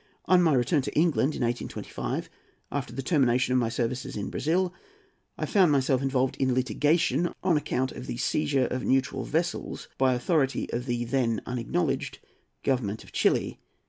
On my return to England in 1825, after the termination of my services in Brazil, I found myself involved in litigation on account of the seizure of neutral vessels by authority of the then unacknowledged Government of Chili.